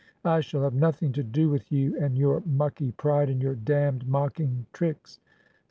'I shall have nothing to do with you and your mucky pride, and your damned mocking tricks.